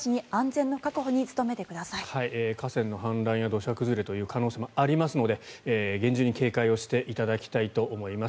河川の氾濫や土砂崩れの可能性がありますので厳重に警戒をしていただきたいと思います。